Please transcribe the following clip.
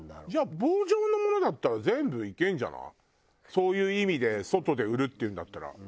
そういう意味で外で売るっていうんだったら。